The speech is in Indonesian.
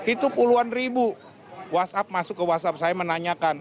itu puluhan ribu whatsapp masuk ke whatsapp saya menanyakan